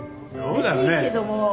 うれしいけども。